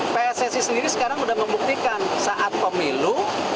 jadi pssi sendiri sekarang sudah membuktikan saat pemilu